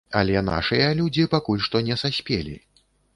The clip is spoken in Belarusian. Але нашыя людзі пакуль што не саспелі.